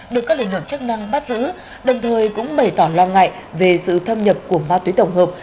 được các lợi nhuận chức năng bắt giữ đồng thời cũng mề tỏa lo ngại về sự thâm nhập của ma túy tổng hợp